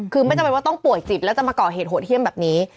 คือไม่จำเป็นว่าต้องป่วยจิตแล้วจะมาก่อเหตุโหดเยี่ยมแบบนี้